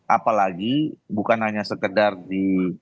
apalagi bukan hanya sekedar di